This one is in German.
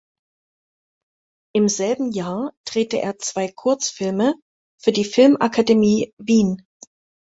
Im selben Jahr drehte er zwei Kurzfilme für die Filmakademie Wien.